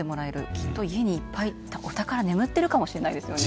きっと家にいっぱいお宝眠っているかもしれないですよね。